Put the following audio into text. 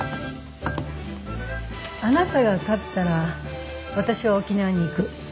あなたが勝ったら私は沖縄に行く。